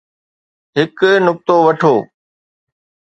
هڪ نقطو وٺو.